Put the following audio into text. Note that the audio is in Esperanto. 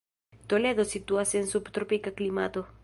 Toledo situas en subtropika klimato.